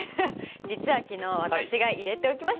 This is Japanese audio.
実は昨日私が入れておきました！